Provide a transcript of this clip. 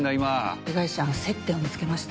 被害者の接点を見つけました。